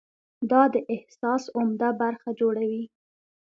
دا د احساس عمده برخه جوړوي.